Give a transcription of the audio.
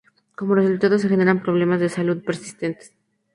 Como resultado se generan problemas de salud persistentes.